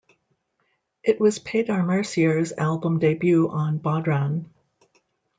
It was Peadar Mercier's album debut on bodhran.